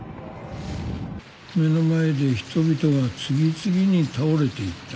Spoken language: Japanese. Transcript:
目の前で人々が次々に倒れていった。